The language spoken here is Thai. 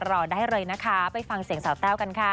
รอได้เลยนะคะไปฟังเสียงสาวแต้วกันค่ะ